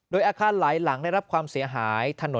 โดยอาคารหลายหลังได้รับความเสียหายถนน